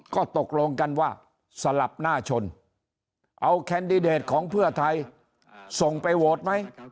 ก็ตกลงกันว่าสลับหน้าชนเอาแคนดิเดตของเพื่อไทยส่งไปโหวตไหม